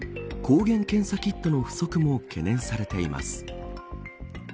抗原検査キットの不足も懸念されています。